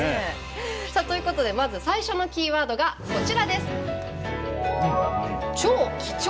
さあということでまず最初のキーワードがこちらです。